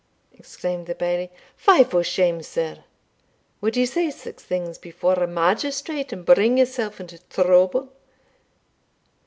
exclaimed the Bailie; "fy for shame, sir! Wad ye say sic things before a magistrate, and bring yoursell into trouble?